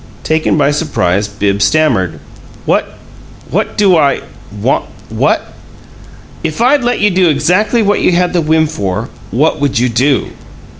Taken by surprise, Bibbs stammered. "What what do I what " "If I'd let you do exactly what you had the whim for, what would you do?"